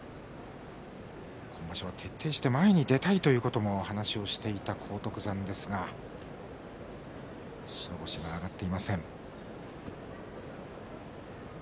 今場所は徹底して前に出たいという話をしていた荒篤山ですが白星が挙がっていません。